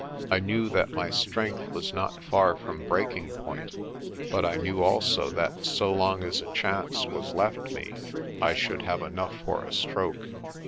I knew that my strength was not far from breaking point; but I knew also that so long as a chance was left me I should have enough for a stroke.